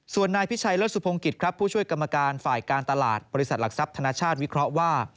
ส่วนนายพิชัยเลิศสุภงกิจครับผู้ช่วยกรรมการฝ่ายการตลาดบริษัทหลักทรัพย์ธนชาติวิเคราะห์ว่า